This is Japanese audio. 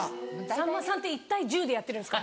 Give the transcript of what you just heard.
さんまさんって１対１０でやってるんですか？